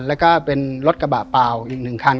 แล้วก็เป็นรถกระบะเปล่าอีก๑คัน